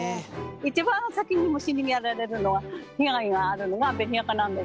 一番先に虫にやられるのは被害があるのが紅赤なんですよ。